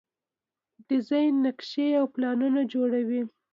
ډیزاین نقشې او پلانونه جوړوي.